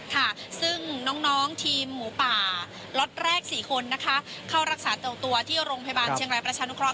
ค่ะซึ่งน้องทีมหมูป่าล็อตแรก๔คนนะคะเข้ารักษาตัวที่โรงพยาบาลเชียงรายประชานุเคราะ